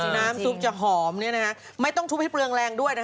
น้ำซุปจะหอมไม่ต้องทุบให้เปลืองแรงด้วย